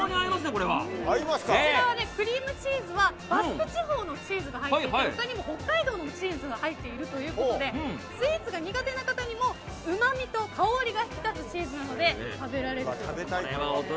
こちらのクリームチーズはバスク地方のチーズが入っていて他にも北海道のチーズが入っているということでスイーツが苦手な方にもうまみと香りが引き立つチーズなので食べられると。